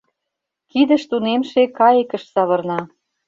Кидыш тунемше кайыкыш савырна.